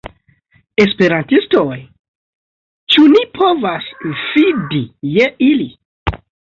Esperantistoj? Ĉu ni povas fidi je ili?